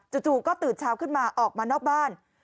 จู่ก็ตื่นเช้าขึ้นมาออกมานอกบ้าน